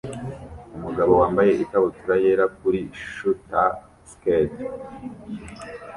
Umugabo wambaye ikabutura yera kuri shortterskates